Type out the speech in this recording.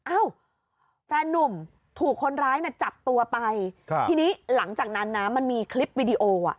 เอ้าแฟนนุ่มถูกคนร้ายน่ะจับตัวไปครับทีนี้หลังจากนั้นนะมันมีคลิปวิดีโออ่ะ